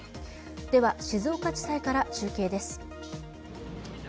では静岡地裁から中継です。